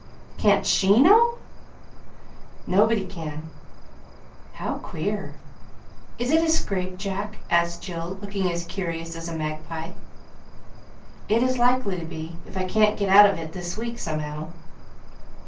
can't she know?" "Nobody can." "How queer! Is it a scrape, Jack?" asked Jill, looking as curious as a magpie. "It is likely to be, if I can't get out of it this week, somehow."